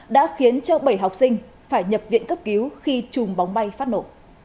đã khiến bảy học sinh phải nhập viện cấp cứu khi chùm bóng bay phát nổ